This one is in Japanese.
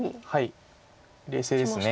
冷静です。